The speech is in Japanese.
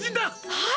はい！